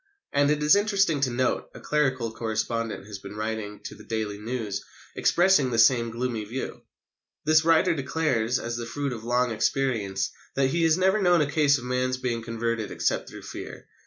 And, it is interesting to note, a clerical correspondent has been writing to the Daily News expressing the same gloomy view. This writer declares, as the fruit of long experience, that he has never known a case of a man's being converted except through fear.